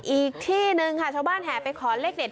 อีกที่หนึ่งค่ะชาวบ้านแห่ไปขอเลขเด็ด